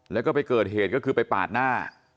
แล้วก็ไปเกิดเหตุก็คือไปปาดหน้า